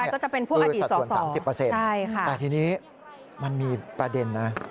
ก็จะเป็นผู้อดีตสอใช่ค่ะคือสัดส่วน๓๐แต่ทีนี้มันมีประเด็นนะ